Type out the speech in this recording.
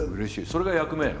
それが役目よ。